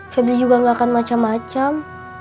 febri juga nggak akan macam macam